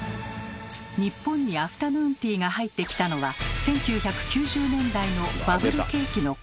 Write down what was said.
日本にアフタヌーンティーが入ってきたのは１９９０年代のバブル景気の頃。